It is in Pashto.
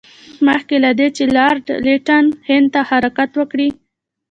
مخکې له دې چې لارډ لیټن هند ته حرکت وکړي.